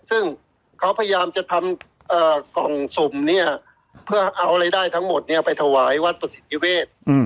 ซึ่งเขาพยายามจะทำตรงสุ่มละเพื่อเอาอะไรได้ทั้งหมดไปถวายวันประสิทธิเวช